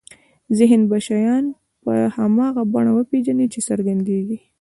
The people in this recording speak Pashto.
ذهن به شیان په هماغه بڼه وپېژني چې څرګندېږي.